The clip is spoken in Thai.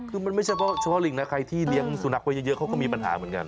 คือมันไม่ใช่เฉพาะลิงนะใครที่เลี้ยงสุนัขไว้เยอะเขาก็มีปัญหาเหมือนกัน